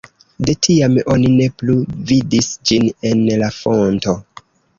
De tiam oni ne plu vidis ĝin en la fonto.